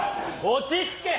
落ち着け！